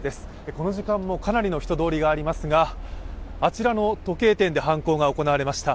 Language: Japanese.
この時間もかなりの人通りがありますがあちらの時計店で犯行が行われました。